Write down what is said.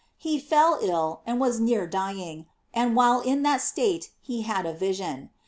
He fell ill, and was near dying, and while in that state he had a vision.